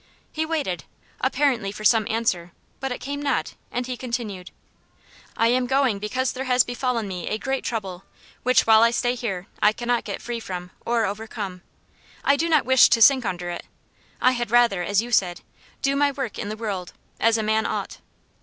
He waited, apparently for some answer but it came not, and he continued: "I am going because there has befallen me a great trouble, which, while I stay here, I cannot get free from or overcome. I do not wish to sink under it I had rather, as you said, 'Do my work in the world' as a man ought.